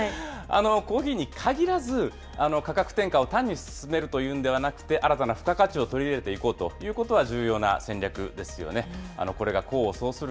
コーヒーに限らず、価格転嫁を単に進めるというんでなくて、新たな付加価値を取り入れていこうということは重要な戦略ですよね。